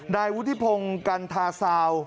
นายวุฒิพงศ์กันทาซาว